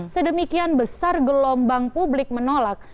sedemikian besar gelombang publik menolak